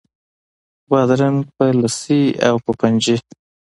بادرنګ په لسي او په پنجي